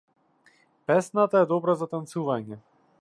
Песната е добра за танцување.